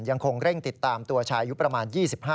ยังคงเร่งติดตามตัวชายอายุประมาณ๒๕